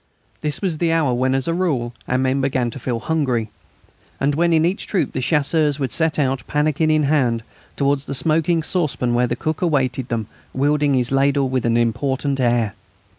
This was the hour when as a rule our men began to feel hungry, and when in each troop the Chasseurs would set out, pannikin in hand, towards the smoking saucepan where the cook awaited them wielding his ladle with an important air.